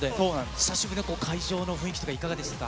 久しぶりの会場の雰囲気とかいかがですか。